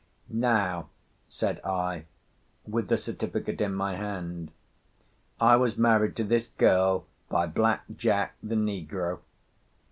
"Now," said I, with the certificate in my hand, "I was married to this girl by Black Jack the negro.